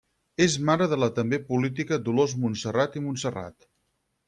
És mare de la també política Dolors Montserrat i Montserrat.